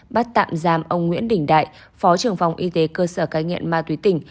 bắt tạm giam ông nguyễn đình đại phó trưởng phòng y tế cơ sở cai nghiện ma túy tỉnh